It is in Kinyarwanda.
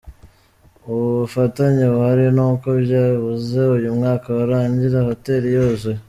Ubu ubufatanye buhari ni uko byibuze uyu mwaka warangira hoteli yuzuye.